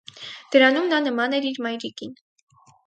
Դրանում նա նման էր իր մայրիկին։